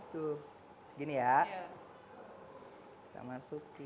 tuh segini ya kita masukin